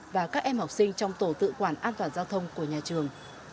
và các em học sinh trong tổ tự quản an toàn giao thông của nhà trường